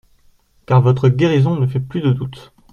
Car votre guérison ne fait plus de doute.